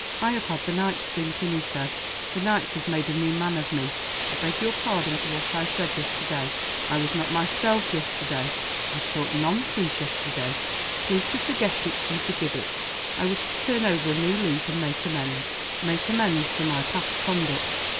"I have had the night to think in," he said. "The night has made a new man of me. I beg your pardon for what I said yesterday. I was not myself yesterday. I talked nonsense yesterday. Please to forget it, and forgive it. I wish to turn over a new leaf and make amends make amends for my past conduct.